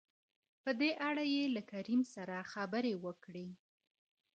په دې اړه يې له کريم سره خبرې وکړې.